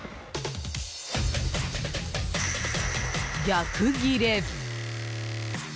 逆ギレ！